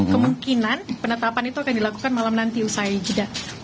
kemungkinan penetapan itu akan dilakukan malam nanti usai jeda